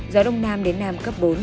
gió đông nam đến nam cấp bốn